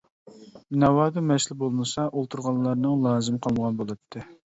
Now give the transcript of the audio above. ناۋادا مەسىلە بولمىسا، ئولتۇرغانلارنىڭ لازىمى قالمىغان بولاتتى.